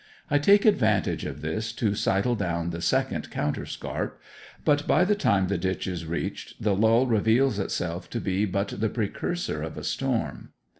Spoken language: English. I take advantage of this to sidle down the second counterscarp, but by the time the ditch is reached the lull reveals itself to be but the precursor of a storm.